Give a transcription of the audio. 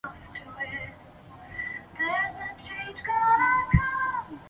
很怕像橡皮筋一样